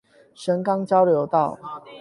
神岡交流道